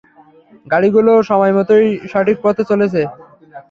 গাড়িগুলো সময়মতই সঠিক পথে চলেছে।